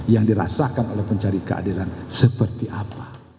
yang dirasakan oleh pencari keadilan seperti apa